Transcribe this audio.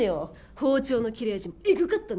包丁の切れ味もエグかったんですから！